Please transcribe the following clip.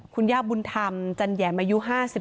คุณย่าบุญธรรมจันแหยมอายุ๕๓